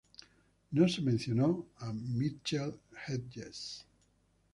No se mencionó a Mitchell-Hedges.